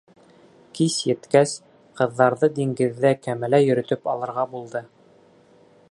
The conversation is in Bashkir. Кис еткәс, ҡыҙҙарҙы диңгеҙҙә кәмәлә йөрөтөп алырға булды.